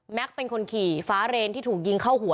เป็นคนขี่ฟ้าเรนที่ถูกยิงเข้าหัว